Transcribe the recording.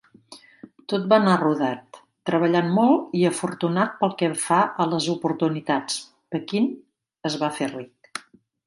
Tot va anar rodat: treballant molt i afortunat pel que fa a les oportunitats, Perkin es va fer ric.